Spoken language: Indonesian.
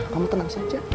kamu tenang saja